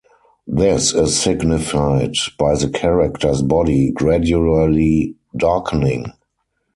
This is signified by the character's body gradually darkening.